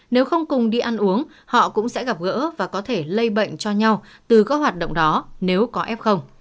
nếu không cùng đi ăn uống họ cũng sẽ gặp gỡ và có thể lây bệnh cho nhau từ các hoạt động đó nếu có f